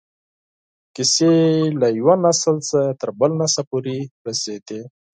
کیسې له یو نسل څخه تر بل نسله پورې رسېدې.